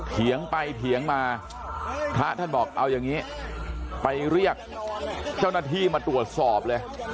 เขียงไปเขียงมาพระท่านบอกเอายังงี้ไปเรียกเจ้าหน้าที่มาตรงนี้